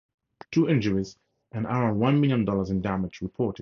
Two injuries and around one million dollars in damage reported.